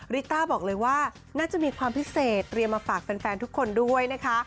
ริต้าบอกเลยว่าน่าจะมีความพิเศษเตรียมมาฝากแฟนทุกคนด้วยนะคะ